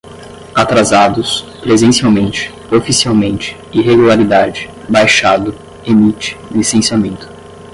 atrasados, presencialmente, oficialmente, irregularidade, baixado, emite, licenciamento